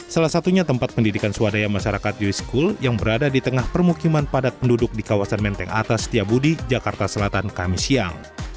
salah satunya tempat pendidikan swadaya masyarakat yui school yang berada di tengah permukiman padat penduduk di kawasan menteng atas setiabu di jakarta selatan khamisiyang